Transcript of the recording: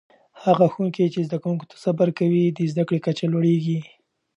هغه ښوونکي چې زده کوونکو ته صبر کوي، د زده کړې کچه لوړېږي.